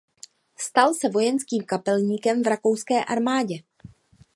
Stal se vojenským kapelníkem v rakouské armádě.